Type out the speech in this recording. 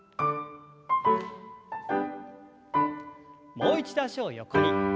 もう一度脚を横に。